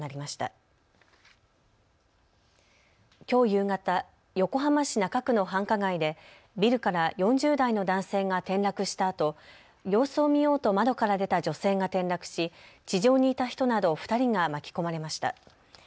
きょう夕方、横浜市中区の繁華街でビルから４０代の男性が転落したあと様子を見ようと窓から出た女性が転落し地上にいた人など２人が巻き込まれました。